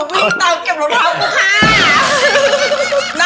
วิ่งตามเก็บรถเข้า